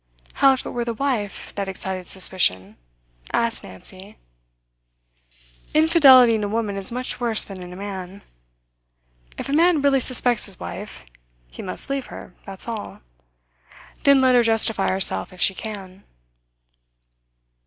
'How if it were the wife that excited suspicion?' asked Nancy. 'Infidelity in a woman is much worse than in a man. If a man really suspects his wife, he must leave her, that's all; then let her justify herself if she can.